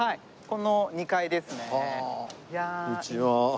こんにちは。